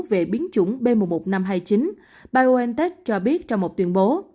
về biến chủng b một một năm trăm hai mươi chín biontech cho biết trong một tuyên bố